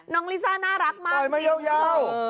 น้องลิซ่าน่ารักมากไอไม่เยาว